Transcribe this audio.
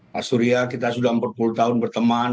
pak surya kita sudah empat puluh tahun berteman